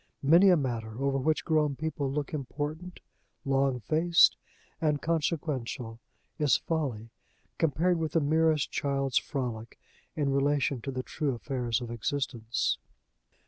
Many a matter, over which grown people look important, long faced, and consequential, is folly, compared with the merest child's frolic, in relation to the true affairs of existence.